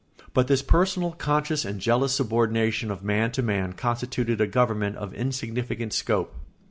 But this personal, conscious, and jealous subordination of man to man constituted a government of insignificant scope.